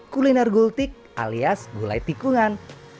kuliner gultik alias gulai tikungan